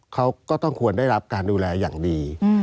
เขาก็ต้องควรได้รับการดูแลอย่างดี